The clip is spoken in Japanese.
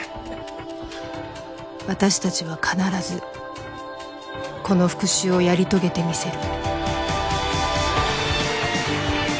私達は必ずこの復讐をやり遂げてみせる